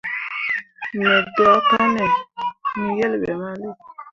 Me daakanne ne yelbe mali.